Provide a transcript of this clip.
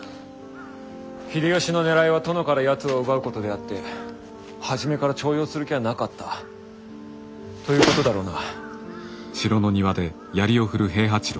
秀吉のねらいは殿からやつを奪うことであって初めから重用する気はなかったということだろうな。